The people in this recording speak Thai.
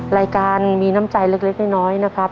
รายการมีน้ำใจเล็กน้อยนะครับ